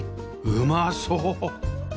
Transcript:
うまそう！